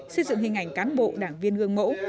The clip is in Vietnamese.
xây dựng hình ảnh cán bộ đảng viên gương mẫu